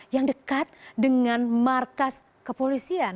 yang dekat dengan markas kepolisian